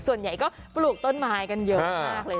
ส่วนใหญ่ก็ปลูกต้นไม้กันเยอะมากเลย